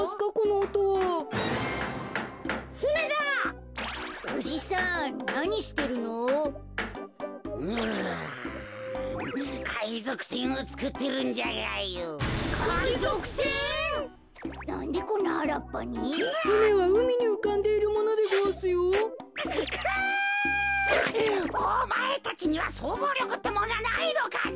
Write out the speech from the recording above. おまえたちにはそうぞうりょくってもんがないのかね。